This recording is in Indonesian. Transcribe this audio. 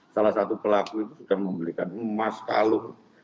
salah satu pelaku itu sudah membelikan emas kalung